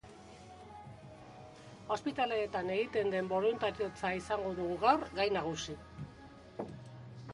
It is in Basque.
Ospitaleetan egiten den boluntariotza izango dugu gaur gai nagusi.